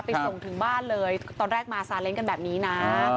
ส่งถึงบ้านเลยตอนแรกมาซาเล้งกันแบบนี้นะ